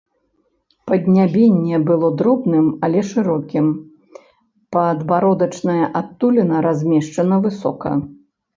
Паднябенне было дробным, але шырокім, падбародачная адтуліна размешчана высока.